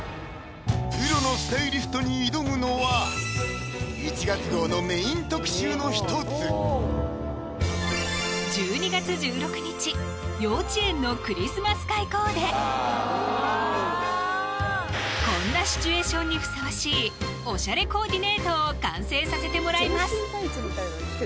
プロのスタイリストに挑むのは１月号のメイン特集の一つコーデこんなシチュエーションにふさわしいおしゃれコーディネートを完成させてもらいます